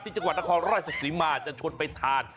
ที่จังหวัดทะคอร์ร่อยศักดิ์ศรีมาจะชวนไปทาน